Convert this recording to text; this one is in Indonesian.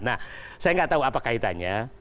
nah saya nggak tahu apa kaitannya